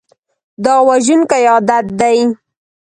دا وژونکی عادت دی.